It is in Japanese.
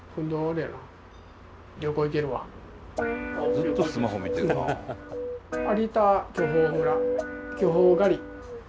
ずっとスマホ見てるなあ。